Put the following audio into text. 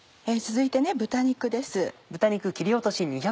続いて豚肉です。